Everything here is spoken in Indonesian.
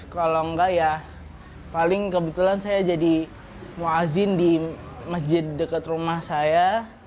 kalau tidak paling kebetulan saya jadi mu'azzin di masjid dekat rumah saya